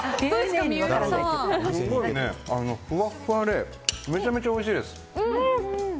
すごいふわふわでめちゃめちゃおいしいです。